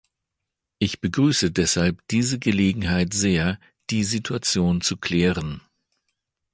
Ich begrüße deshalb diese Gelegenheit sehr, die Situation zu klären.